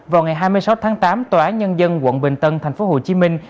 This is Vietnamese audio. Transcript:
vào ngày hai mươi sáu tháng tám tòa án nhân dân quận bình tân thành phố hồ chí minh